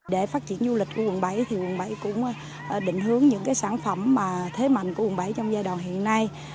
để phát triển du lịch của quận bảy thì quận bảy cũng định hướng những sản phẩm thế mạnh của quận bảy trong giai đoạn hiện nay